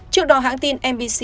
trước đó hãng tin nbc